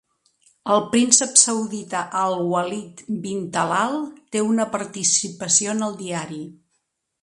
El príncep saudita Al Waleed Bin Talal té una participació en el diari.